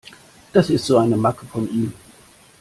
Das ist so eine Macke von ihm.